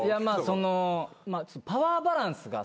そのパワーバランスが。